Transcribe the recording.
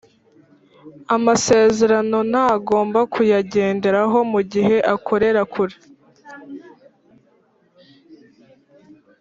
amasezerano ntagomba kuyagenderaho mu gihe akorera kure